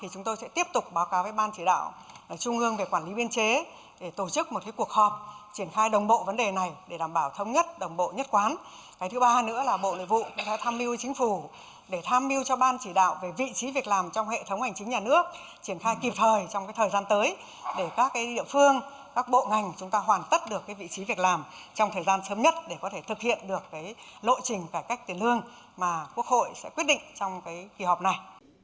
cái thứ ba nữa là bộ nội vụ tham mưu chính phủ để tham mưu cho ban chỉ đạo về vị trí việc làm trong hệ thống ảnh chính nhà nước triển khai kịp thời trong thời gian tới để các địa phương các bộ ngành chúng ta hoàn tất được vị trí việc làm trong thời gian sớm nhất để có thể thực hiện được lộ trình cải cách tiền lương mà quốc hội sẽ quyết định trong kỳ họp này